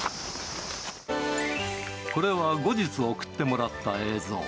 これは後日送ってもらった映像。